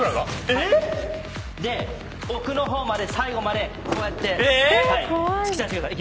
えっ⁉奥の方まで最後までこうやって突き刺してください。